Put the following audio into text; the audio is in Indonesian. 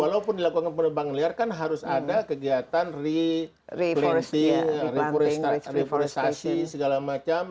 walaupun dilakukan penebangan liar kan harus ada kegiatan re planting reforestasi segala macam